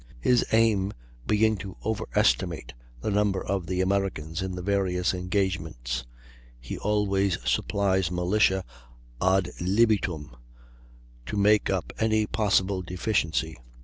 His aim being to overestimate the number of the Americans in the various engagements, he always supplies militia ad libitum, to make up any possible deficiency.